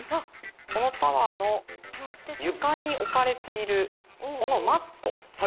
・このタワーの床に置かれているこのマット。